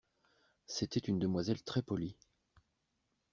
C'était une demoiselle très polie.